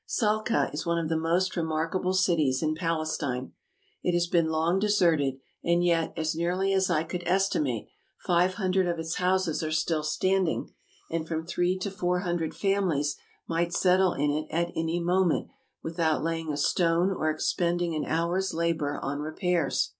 Salcah is one of the most remarkable cities in Palestine. ASIA 271 It has been long deserted ; and yet, as nearly as I could estimate, five hundred of its houses are still standing, and from three to four hundred families might settle in it at any moment without laying a stone or expending an hour's labor on repairs.